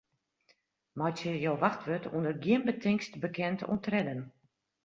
Meitsje jo wachtwurd ûnder gjin betingst bekend oan tredden.